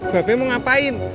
bebe mau ngapain